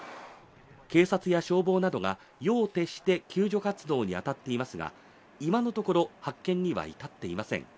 警察や消防が夜を徹して救助活動を行っていますが、今のところ発見には至っていません。